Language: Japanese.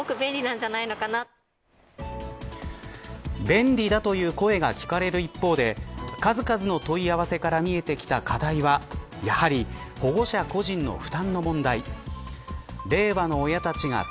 便利だという声が聞かれる一方で数々の問い合わせから見えてきた課題はＰＴＡの業務代行サービス。